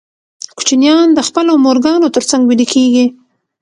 کوچنیان د خپلو مورګانو تر څنګ ویده کېږي.